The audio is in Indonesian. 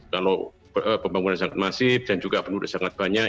kalau pembangunan sangat masif dan juga penduduk sangat banyak